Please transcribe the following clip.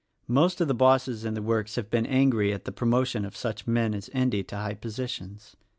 Most of the bosses in the works have been angry at the promotion of such men as Endy to high positions.